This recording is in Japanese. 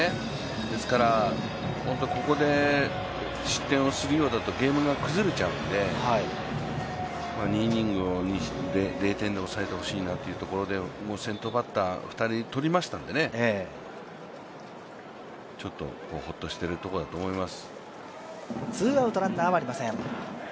ですからここで失点をするようだとゲームが崩れちゃうんで、２イニングを０点で抑えてほしいというところで先頭バッター２人とりましたので、ちょっとホッとしているところだと思います。